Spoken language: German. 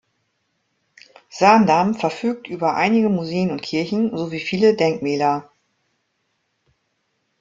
Zaandam verfügt über einige Museen und Kirchen sowie viele Denkmäler.